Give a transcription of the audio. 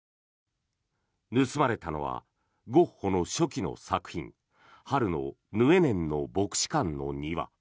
盗まれたのはゴッホの初期の作品「春のヌエネンの牧師館の庭」。